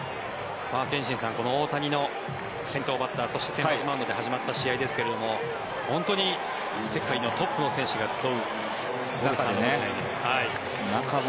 憲伸さん、大谷の先頭バッターそして先発マウンドで始まった試合ですが本当に世界のトップの選手が集う中で。